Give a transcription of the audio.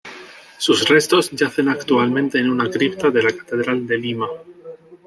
Sus restos yacen actualmente en una cripta de la Catedral de Lima.